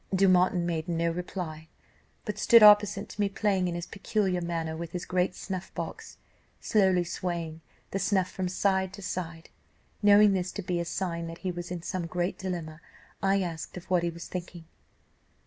"Dumont made no reply, but stood opposite to me playing in his peculiar manner with his great snuff box, slowly swaying the snuff from side to side. Knowing this to be a sign that he was in some great dilemma, I asked of what he was thinking.